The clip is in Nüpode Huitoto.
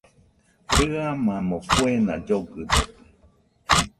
Rɨamamo kuena llogɨdote